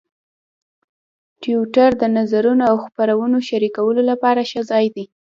ټویټر د نظرونو او خبرونو شریکولو لپاره ښه ځای دی.